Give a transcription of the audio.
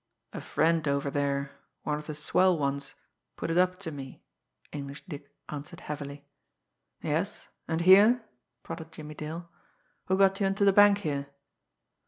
"A friend over there, one of the 'swell ones,' put it up to me," English Dick answered heavily. "Yes and here?" prodded Jimmie Dale. "Who got you into the bank here?"